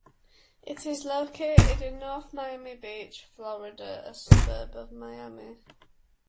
It is located in North Miami Beach, Florida, a suburb of Miami.